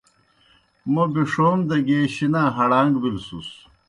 موْ بِݜوم دہ گیے شِنا ہڑاݩگ بِلوْسُس۔